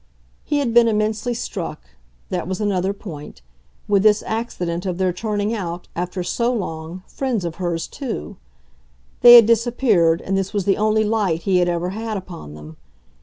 He had been immensely struck that was another point with this accident of their turning out, after so long, friends of hers too: they had disappeared, and this was the only light he had ever had upon them.